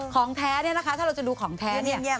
ของแท้เนี่ยนะคะถ้าเราจะดูของแท้เนี่ย